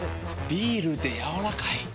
ビールでやわらかい。